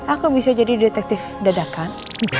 aku bisa jadi detektif dadakan